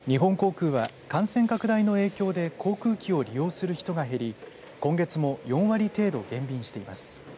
日本航空は感染拡大の影響で航空機を利用する人が減り今月も４割程度減便しています。